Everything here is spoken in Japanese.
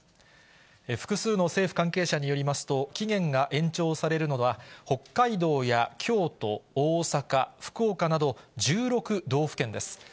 複数の政府関係者によりますと、期限が延長されるのは、北海道や京都、大阪、福岡など、１６道府県です。